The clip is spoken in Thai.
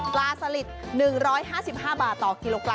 สลิด๑๕๕บาทต่อกิโลกร